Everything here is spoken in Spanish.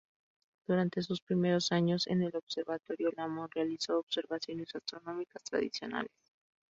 Durante sus primeros años en el observatorio, Lamont realizó observaciones astronómicas tradicionales.